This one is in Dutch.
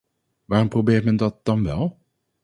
Waarom probeert men dat dan wel?